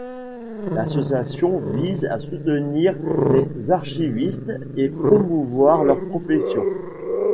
L'association vise à soutenir les archivistes et promouvoir leur profession.